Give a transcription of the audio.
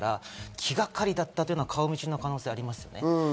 気がかりだったというのは顔見知りの可能性がありますね。